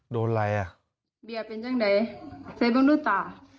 โดนไรอะ